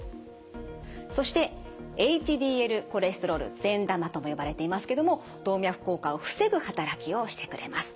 そしてＨＤＬコレステロール善玉とも呼ばれていますけども動脈硬化を防ぐ働きをしてくれます。